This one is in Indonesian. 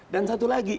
dan satu lagi